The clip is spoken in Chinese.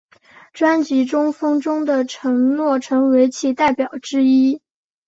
专辑中风中的承诺成为其代表作之一。